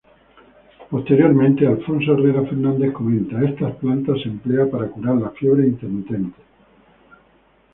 Posteriormente, Alfonso Herrera Fernandez comenta: "esta planta se emplea para curar las fiebres intermitentes.